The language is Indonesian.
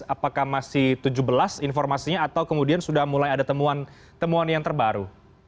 apakah masih tujuh belas informasinya atau kemudian sudah mulai ada temuan yang terbaru